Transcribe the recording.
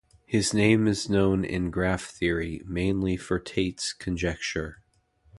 His name is known in graph theory mainly for Tait's conjecture.